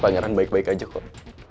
pangeran baik baik aja kok